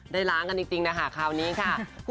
ล้างกันจริงนะคะคราวนี้ค่ะ